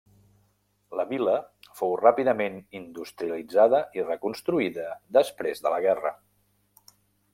La vila fou ràpidament industrialitzada i reconstruïda després de la guerra.